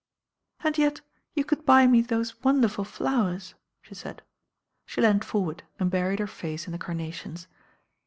"And yet you could buy me those wonderful flowers," she said. She leaned forward and buried her face in the carnations.